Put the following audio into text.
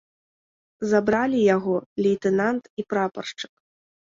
Забралі яго лейтэнант і прапаршчык.